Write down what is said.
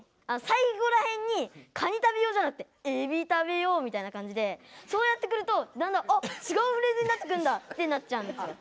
最後らへんに「カニ食べよう」じゃなくて「エビ食べよう」みたいな感じでそうやってくるとだんだんあっ違うフレーズになってくんだってなっちゃうんですよ。